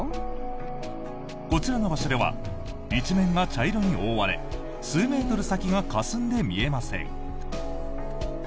こちらの場所では一面が茶色に覆われ数メートル先がかすんで見えません。